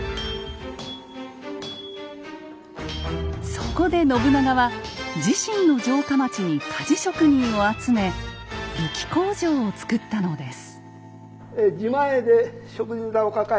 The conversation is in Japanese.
そこで信長は自身の城下町に鍛冶職人を集め武器工場をつくったのです。